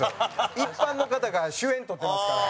一般の方が主演とってますから。